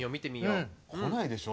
来ないでしょ